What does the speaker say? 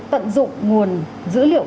tận dụng nguồn dữ liệu